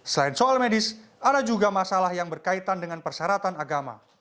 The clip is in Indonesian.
selain soal medis ada juga masalah yang berkaitan dengan persyaratan agama